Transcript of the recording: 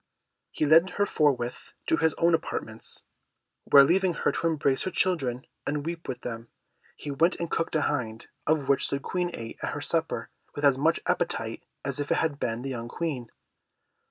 He led her forthwith to his own apartments, where leaving her to embrace her children and weep with them, he went and cooked a hind, of which the Queen ate at her supper, with as much appetite as if it had been the young Queen.